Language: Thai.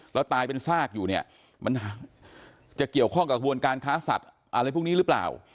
แล้วตายเป็นซากอยู่เนี่ยมันจะเกี่ยวข้องกับกระบวนการค้าสัตว์อะไรพวกนี้หรือเปล่า